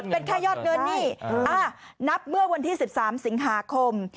เป็นแค่ยอดเงินนี่นับเมื่อวันที่๑๓สิงหาคม